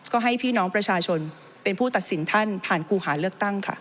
ก็ให้พี่น้องประชาชนเป็นผู้ตัดสินท่านผ่านกูหาเลือกตั้งค่ะ